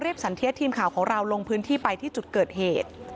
สันเทียดทีมข่าวของเราลงพื้นที่ไปที่จุดเกิดเหตุ